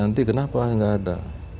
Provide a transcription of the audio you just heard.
nanti kenapa nggak ada